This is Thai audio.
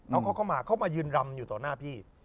แล้วเขาเข้ามาเขามายืนรำอยู่ต่อหน้าพี่